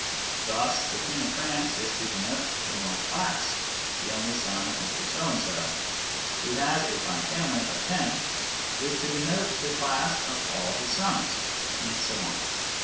Thus "the King of France" is to denote the null class; "the only son of Mr. So and so" (who has a fine family of ten), is to denote the class of all his sons; and so on.